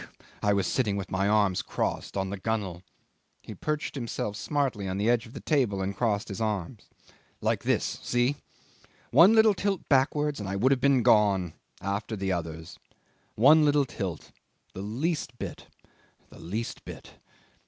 I was sitting with my arms crossed, on the gunwale! ..." He perched himself smartly on the edge of the table and crossed his arms. ... "Like this see? One little tilt backwards and I would have been gone after the others. One little tilt the least bit the least bit."